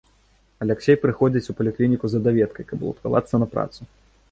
Аляксей прыходзіць у паліклініку за даведкай, каб уладкавацца на працу.